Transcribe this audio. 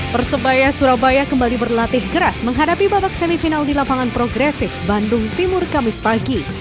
persebaya surabaya kembali berlatih keras menghadapi babak semifinal di lapangan progresif bandung timur kamis pagi